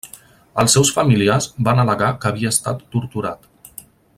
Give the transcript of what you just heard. Els seus familiars van al·legar que havia estat torturat.